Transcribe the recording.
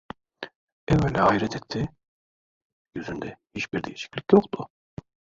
Evvela hayret etti; yüzünde hiçbir değişiklik yoktu.